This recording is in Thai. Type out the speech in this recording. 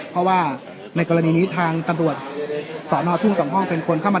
เพราะว่าในกรณีนี้ทางตำรวจสอนอทุ่ง๒ห้องเป็นคนเข้ามา